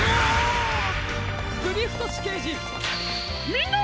みんな！